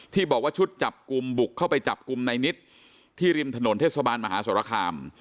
ที่บอกว่าชุดจับกลุ่มบุกเข้าไปจับกลุ่มในนิดที่ริมถนนเทศบาลมหาสรคาม